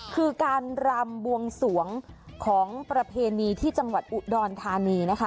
คือการรำบวงสวงของประเพณีที่จังหวัดอุดรธานีนะคะ